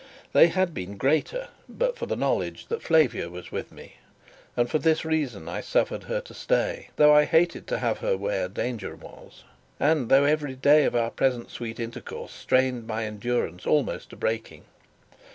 They had been greater, but for the knowledge that Flavia was with me; and for this reason I suffered her to stay, though I hated to have her where danger was, and though every day of our present sweet intercourse strained my endurance almost to breaking.